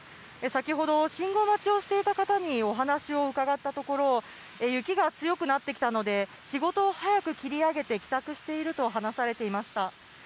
先ほど、信号待ちをしていた方にお話を伺ったところ、雪が強くなってきたので、仕事を早く切り上げて帰宅していると話されていました。